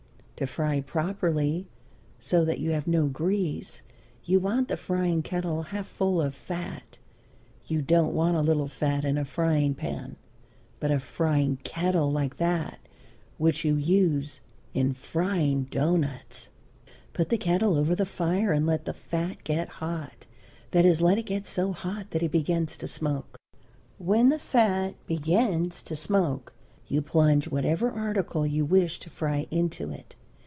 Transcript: To fry properly, so that you have no grease, you want the frying kettle half full of fat. You don't want a little fat in a frying pan, but a frying kettle like that which you use in frying doughnuts. Put the kettle over the fire and let the fat get hot, that is, let it get so hot that it begins to smoke. When the fat begins to smoke you plunge whatever article you wish to fry into it.